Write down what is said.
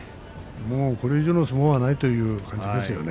これ以上の相撲はないという感じでしたね。